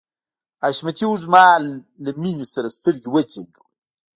حشمتي اوږد مهال له مينې سره سترګې وجنګولې.